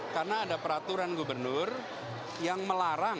karena ada peraturan gubernur yang melarang